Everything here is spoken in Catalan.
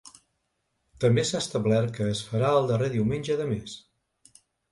També s’ha establert que es farà el darrer diumenge de mes.